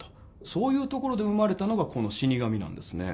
そういうところで生まれたのがこの「死神」なんですね。